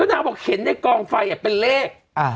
แล้วนางบอกเห็นในกองไฟอ่ะเป็นเลข